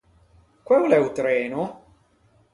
Quæ o l’é o treno?